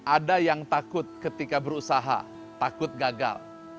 ada yang takut ketika berusaha takut gagal